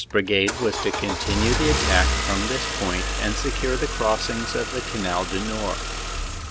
Brigade was to continue the attack from this point and secure the crossings of the Canal du Nord.